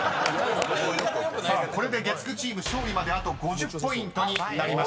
［これで月９チーム勝利まであと５０ポイントになりました］